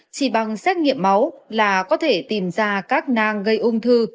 chỉ bằng xét nghiệm máu là có thể tìm ra các nang gây ung thư